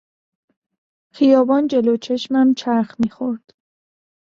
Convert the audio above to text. خیابان جلو چشمم چرخ میخورد.